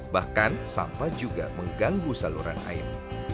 bahkan sampah juga mengganggu saluran air